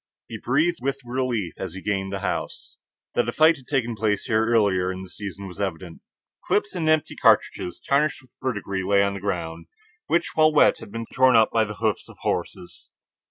He breathed with relief as he gained the house. That a fight had taken place here earlier in the season was evident. Clips and empty cartridges, tarnished with verdigris, lay on the ground, which, while wet, had been torn up by the hoofs of horses.